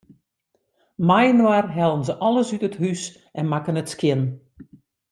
Mei-inoar hellen se alles út it hús en makken it skjin.